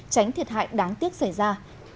tránh thiệt hại đáng tiếc xảy ra